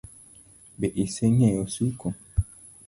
Be ingeyo suko?